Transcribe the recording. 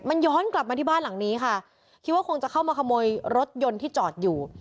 มันย้อนกลับมาที่บ้านหลังนี้ค่ะคิดว่าคงจะเข้ามาขโมยรถยนต์ที่จอดอยู่